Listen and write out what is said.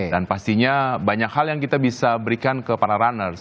dan pastinya banyak hal yang kita bisa berikan ke para runners